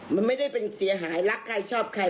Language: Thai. มันไม่ได้เป็นเสียหายรักใครชอบใคร